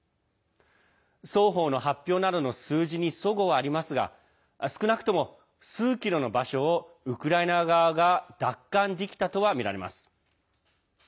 双方の発表などの数字にそごはありますが少なくとも数キロの場所をウクライナ側が奪還できたとはみられます。